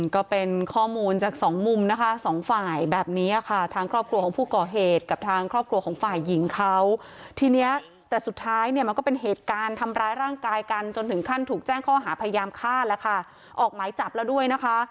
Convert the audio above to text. ก็เป็นข้อมูลจากสองมุมนะคะสองฝ่ายแบบนี้ค่ะทางครอบครัวของผู้ก่อเหตุกับทางครอบครัวของฝ่ายหญิงเขาทีเนี้ยแต่สุดท้ายเนี่ยมันก็เป็นเหตุการณ์ทำร้ายร่างกายกันจนถึงขั้นถูกแจ้งข้อหาพยายามฆ่าแล้วค่ะออกหมายจับแล้วด้วยนะคะ